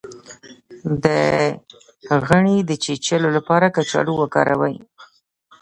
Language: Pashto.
د غڼې د چیچلو لپاره کچالو وکاروئ